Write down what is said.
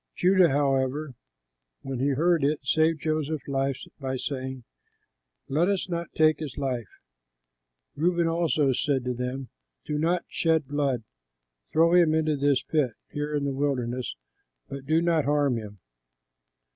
Judah, however, when he heard it, saved Joseph's life by saying, "Let us not take his life." Reuben also said to them, "Do not shed blood; throw him into this pit, here in the wilderness; but do not harm him."